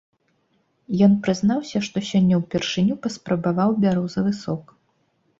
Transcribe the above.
Ён прызнаўся, што сёння ўпершыню паспрабаваў бярозавы сок.